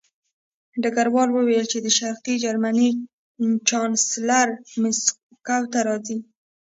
ډګروال وویل چې د شرقي جرمني چانسلر مسکو ته راځي